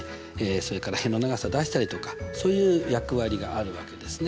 それから辺の長さ出したりとかそういう役割があるわけですね。